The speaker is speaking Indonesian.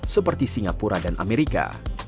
seperti singapura dan amerika